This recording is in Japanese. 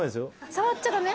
触っちゃダメ？